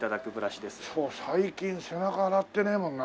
最近背中洗ってねえもんな。